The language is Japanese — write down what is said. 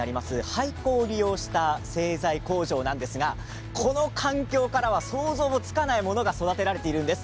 廃校を利用した製材工場なんですがこの環境からは想像もつかないものが育てられているんです。